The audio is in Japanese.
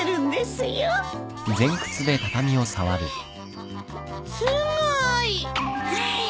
すごい！